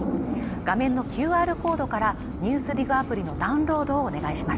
画面のＱＲコードから「ＮＥＷＳＤＩＧ」アプリのダウンロードをお願いします